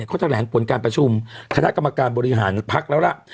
เขาแท้แหลงบนการประชุมคฤษฐากรรมการบริหารภักดิ์แล้วล่ะ